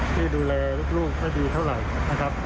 ที่ดูแลลูกไม่ดีเท่าไหร่นะครับ